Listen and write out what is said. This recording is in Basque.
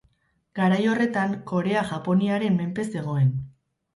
Garai horretan Korea Japoniaren menpe zegoen.